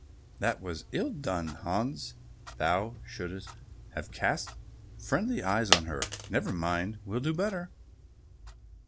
"That was ill done, Hans, thou shouldst have cast friendly eyes on her." "Never mind, will do better."